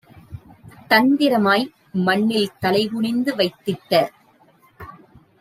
தந்திரமாய் மண்ணில் தலைகுனிந்து வைத்திட்ட